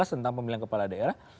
tentang pemilihan kepala daerah